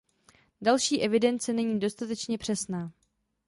Další evidence není dostatečně přesná.